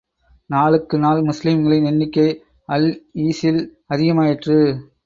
நாளுக்கு நாள் முஸ்லிம்களின் எண்ணிக்கை அல் ஈஸில் அதிகமாயிற்று.